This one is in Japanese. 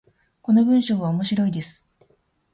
この文章は面白いです。